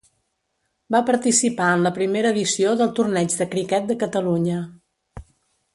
Va participar en la primera edició del Torneig de Criquet de Catalunya.